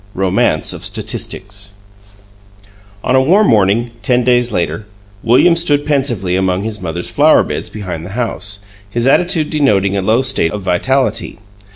XV ROMANCE OF STATISTICS On a warm morning, ten days later, William stood pensively among his mother's flowerbeds behind the house, his attitude denoting a low state of vitality.